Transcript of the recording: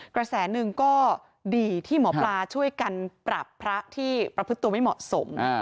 กระแสหนึ่งก็ดีที่หมอปลาช่วยกันปรับพระที่ประพฤติตัวไม่เหมาะสม